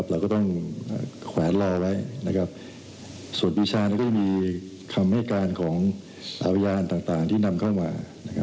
เราก็ต้องแขวนรอไว้ส่วนปีชาก็มีคำให้การของพยานต่างที่นำเข้ามา